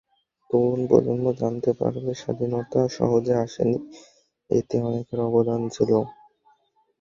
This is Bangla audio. তরুণ প্রজন্ম জানতে পারবে স্বাধীনতা সহজে আসেনি, এতে অনেকের অবদান ছিল।